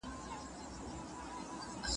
د اوهامو په ګرد پټه ایینه ده